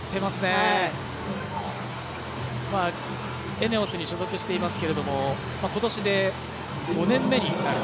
ＥＮＥＯＳに所属していますけども今年で５年目になる。